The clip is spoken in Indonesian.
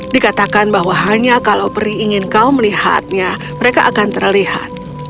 dikatakan bahwa hanya kalau peri ingin kau melihatnya mereka akan terlihat